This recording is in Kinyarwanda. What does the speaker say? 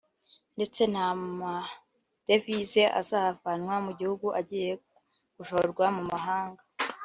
ndetse nta n’amadevize azavanwa mu gihugu agiye gushorwa mu mahanga